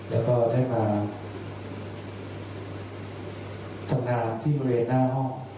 แล้วก็ได้มาทำงานที่บริเวณหน้าห้อง